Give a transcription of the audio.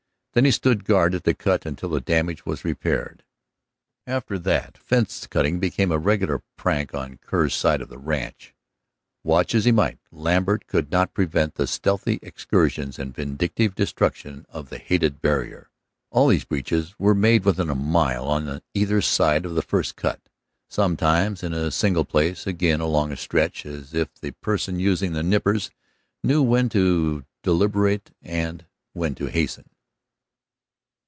Then he stood guard at the cut until the damage was repaired. After that fence cutting became a regular prank on Kerr's side of the ranch. Watch as he might, Lambert could not prevent the stealthy excursions, the vindictive destruction of the hated barrier. All these breaches were made within a mile on either side of the first cut, sometimes in a single place, again along a stretch, as if the person using the nippers knew when to deliberate and when to hasten.